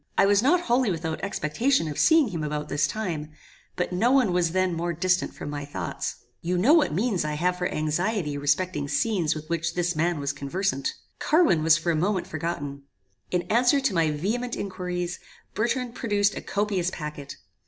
I was not wholly without expectation of seeing him about this time, but no one was then more distant from my thoughts. You know what reasons I have for anxiety respecting scenes with which this man was conversant. Carwin was for a moment forgotten. In answer to my vehement inquiries, Bertrand produced a copious packet.